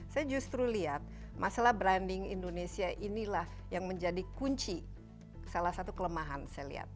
saya justru lihat masalah branding indonesia inilah yang menjadi kunci salah satu kelemahan saya lihat